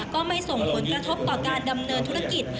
ก็ไม่ส่งผลกระทบต่อการดำเนินธุรกิจ